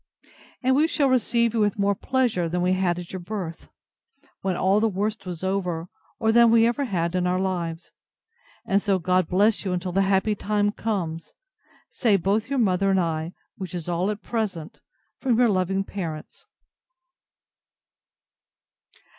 And we shall receive you with more pleasure than we had at your birth, when all the worst was over; or than we ever had in our lives. And so God bless you till the happy time comes! say both your mother and I, which is all at present, from Your truly loving PARENTS.